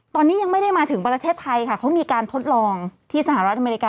ตอนนี้ยังไม่ได้มาถึงประเทศไทยค่ะเขามีการทดลองที่สหรัฐอเมริกา